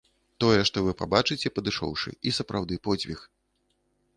Тое, што вы пабачыце, падышоўшы, і сапраўды подзвіг.